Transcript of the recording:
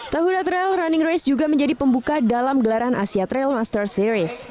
tahura trail running race juga menjadi pembuka dalam gelaran asia trail master series